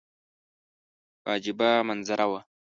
یوه عجیبه منظره وه.